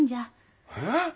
えっ？